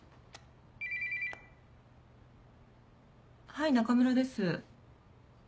はい中村です。